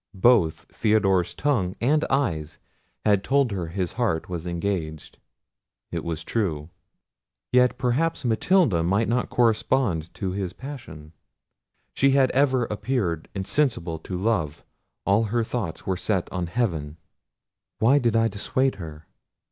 Both Theodore's tongue and eyes had told her his heart was engaged; it was true—yet, perhaps, Matilda might not correspond to his passion; she had ever appeared insensible to love: all her thoughts were set on heaven. "Why did I dissuade her?"